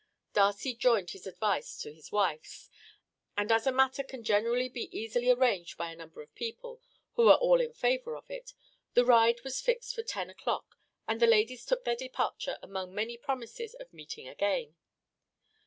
Darcy joined his advice to his wife's; and as a matter can generally be easily arranged by a number of people who are all in favour of it, the ride was fixed for ten o'clock, and the ladies took their departure among many promises of meeting again.